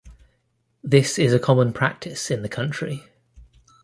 This is a common practice in the country.